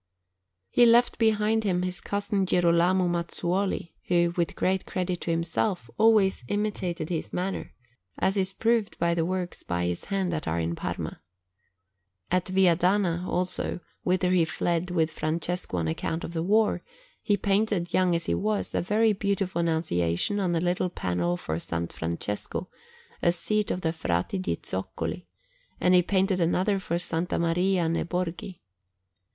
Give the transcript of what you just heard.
He left behind him his cousin Girolamo Mazzuoli, who, with great credit to himself, always imitated his manner, as is proved by the works by his hand that are in Parma. At Viadana, also, whither he fled with Francesco on account of the war, he painted, young as he was, a very beautiful Annunciation on a little panel for S. Francesco, a seat of the Frati de' Zoccoli; and he painted another for S. Maria ne' Borghi.